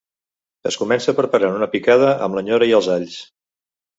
Es comença preparant una picada amb la nyora i els alls.